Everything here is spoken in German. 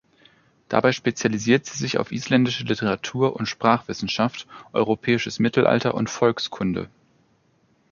Dabei spezialisiert sie sich auf isländische Literatur- und Sprachwissenschaft, europäisches Mittelalter und Volkskunde.